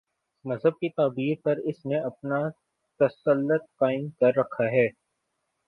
مذہب کی تعبیر پر اس نے اپنا تسلط قائم کر رکھا ہے۔